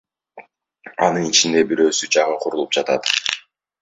Анын ичинде бирөөсү жаңы курулуп жатат.